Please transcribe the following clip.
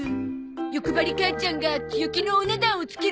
欲張り母ちゃんが強気のお値段をつけるもんだから。